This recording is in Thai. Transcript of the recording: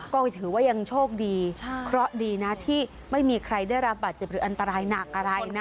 ก็ถือว่ายังโชคดีเพราะดีนะที่ไม่มีใครได้รับบาดเจ็บหรืออันตรายหนักอะไรนะ